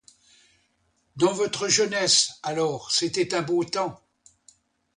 Dans votre jeunesse, alors, c'était un beau temps.